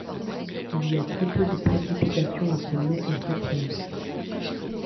Il y a très peu de précipitations entre mai et septembre.